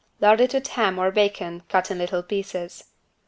Lard it with ham or bacon cut in little pieces.